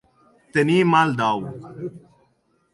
Tenir mal dau.